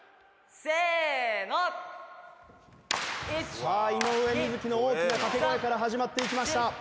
さあ井上瑞稀の大きな掛け声から始まっていきました。